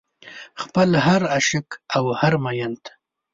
خپل هر عاشق او هر مين ته